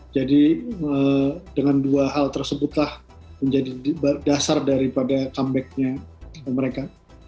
jadi dengan dua hal tersebutlah menjadi dasar daripada comebacknya mereka